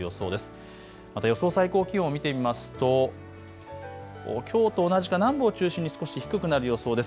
予想最高気温、見てみますときょうと同じか南部を中心に少し低くなる予想です。